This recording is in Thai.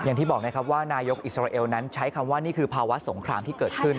อย่างที่บอกนะครับว่านายกอิสราเอลนั้นใช้คำว่านี่คือภาวะสงครามที่เกิดขึ้น